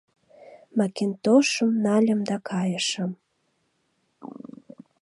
— Макинтошым нальым да кайышым.